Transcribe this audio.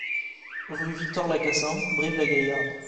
Rue Victor Lacassin, Brive-la-Gaillarde